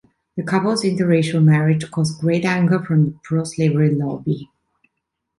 The couple's inter-racial marriage caused great anger from the pro-slavery lobby.